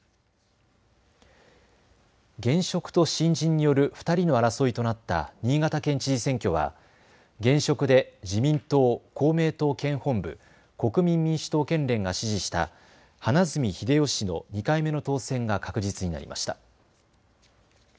現職と新人による２人の争いとなった新潟県知事選挙は現職で自民党、公明党県本部国民民主党県連が支持した花角英世氏の２回目の当選が確実になりました。